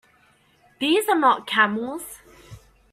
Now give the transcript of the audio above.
These are not camels!